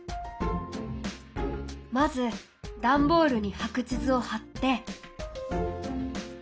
まずダンボールに白地図を貼って！